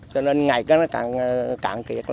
cho nên ngày càng cạn kiệt